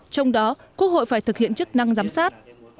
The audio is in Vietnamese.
trong đó quốc hội phải thực hiện chức năng giám sát